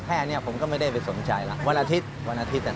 แค่นี้มันก็ไม่ได้ไปสนใจละวันอาทิตย์